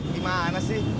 di mana sih